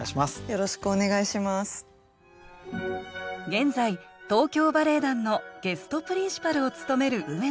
現在東京バレエ団のゲストプリンシパルを務める上野さん。